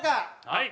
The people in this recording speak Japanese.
はい。